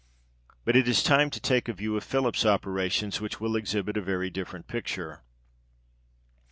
But it is time to take a view of Philip's operations, which will exhibit a very different picture.